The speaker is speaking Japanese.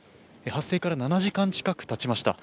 発生から７時間近くたちました。